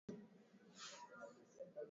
Juma ameshinda tuzo kubwa sana